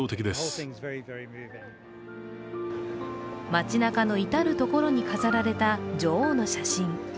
街なかの至る所に飾られた女王の写真。